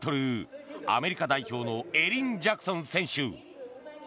アメリカ代表のエリン・ジャクソン選手。